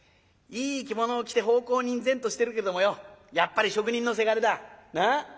いい着物を着て奉公人然としてるけどもよやっぱり職人のせがれだ。なあ？